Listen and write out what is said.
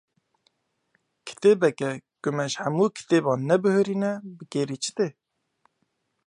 Kitêbeke ku me ji hemû kitêban nebihûrîne bi kêrî çi tê?